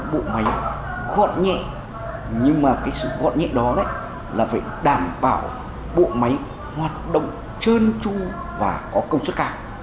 bộ máy gọn nhẹ nhưng mà cái sự gọn nhẹ đó là phải đảm bảo bộ máy hoạt động trơn tru và có công suất cao